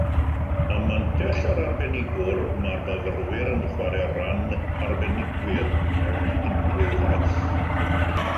Yn Mantell yr Arbenigwr, mae'r myfyrwyr yn chwarae rhan arbenigwyr mewn unrhyw faes.